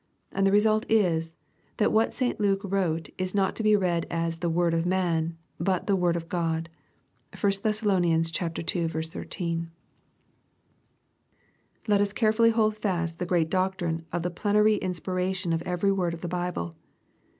And the result is, that what St. Luke wrote is not to be read as the " word of man," but the " word of God.'' (1 Thess. iL 13.) Let us carefully hold fast the great doctrine of the plenary inspiration of every word of the Bible.